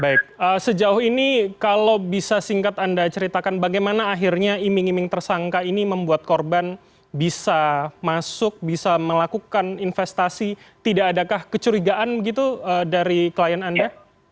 baik sejauh ini kalau bisa singkat anda ceritakan bagaimana akhirnya iming iming tersangka ini membuat korban bisa masuk bisa melakukan investasi tidak adakah kecurigaan begitu dari klien anda